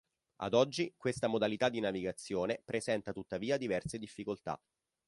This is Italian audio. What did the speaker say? Ad oggi, questa modalità di navigazione presenta tuttavia diverse difficoltà.